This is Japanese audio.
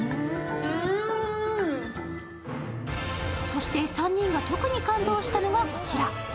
そして３人が特に感動したのがこちら。